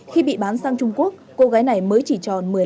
khi bị bán sang trung quốc cô gái này mới chỉ tròn một mươi năm